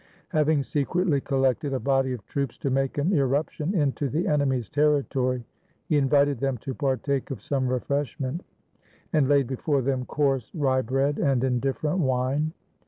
Having secretly collected a body of troops to make an irruption into the enemy's terri tory, he invited them to partake of some refreshment, and laid before them coarse rye bread and indifferent wine.